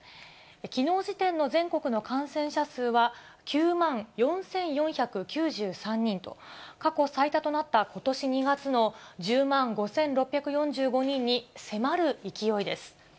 きのう時点の全国の感染者数は９万４４９３人と、過去最多となったことし２月の１０万５６４５人に迫る勢いです。